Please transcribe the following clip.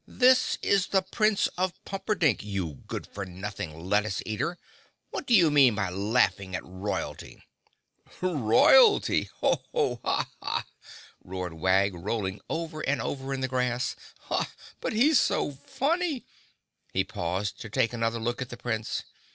"This is the Prince of Pumperdink, you good for nothing lettuce eater! What do you mean by laughing at royalty?" "Royalty! Oh, ha, ha, ha!" roared Wag, rolling over and over in the grass. "But he's so funny!" He paused to take another look at the Prince.